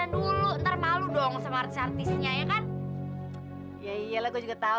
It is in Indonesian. lu takut kalau dia tau